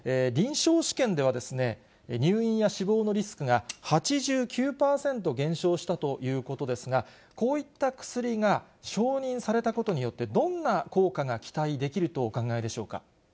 臨床試験では、入院や死亡のリスクが８９％減少したということですが、こういった薬が承認されたことによって、どんな効果が期待できるとお考え